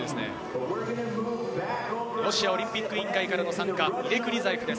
ロシアオリンピック委員会からの参加、イレク・リザエフです。